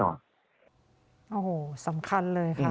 โอ้โหสำคัญเลยค่ะ